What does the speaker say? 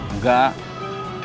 jangan jangan sih pak alex